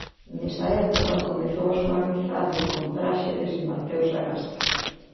Nesa época comezou a súa amizade con Práxedes Mateo Sagasta.